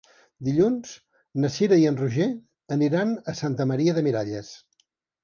Dilluns na Cira i en Roger aniran a Santa Maria de Miralles.